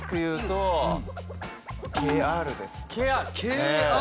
ＫＲ？